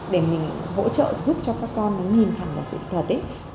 để mình hỗ trợ giúp cho các con nhìn thẳng vào sự thật ấy